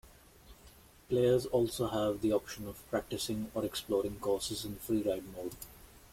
Players also have the option of practicing or exploring courses in "freeride" mode.